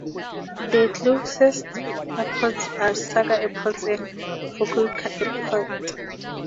The closest airports are Saga Airport and Fukuoka Airport.